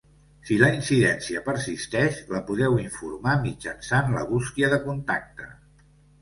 Si la incidència persisteix, la podeu informar mitjançant la bústia de contacte.